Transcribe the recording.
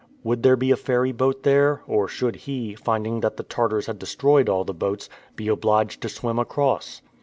Would there be a ferry boat there, or should he, finding that the Tartars had destroyed all the boats, be obliged to swim across?